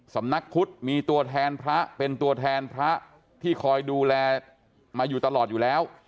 สำนักพุทธมีตัวแทนพระเป็นตัวแทนพระที่คอยดูแลมาอยู่ตลอดอยู่แล้ว